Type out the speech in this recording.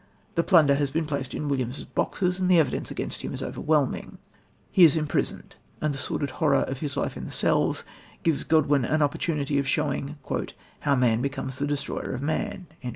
The plunder has been placed in Williams' boxes, and the evidence against him is overwhelming. He is imprisoned, and the sordid horror of his life in the cells gives Godwin an opportunity of showing "how man becomes the destroyer of man."